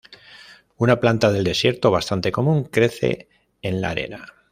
Una planta del desierto bastante común, crece en la arena.